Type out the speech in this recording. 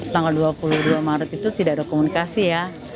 tanggal dua puluh dua maret itu tidak ada komunikasi ya